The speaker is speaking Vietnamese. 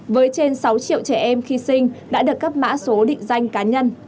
với trên sáu triệu trẻ em khi sinh đã được cấp mã số định danh cá nhân